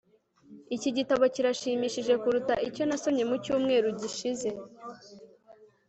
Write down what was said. iki gitabo kirashimishije kuruta icyo nasomye mu cyumweru gishize